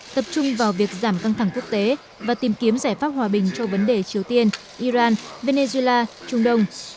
tập trung vào việc giảm căng thẳng quốc tế và tìm kiếm giải pháp hòa bình cho vấn đề triều tiên iran venezuela trung đông